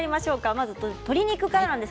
まず、鶏肉からです。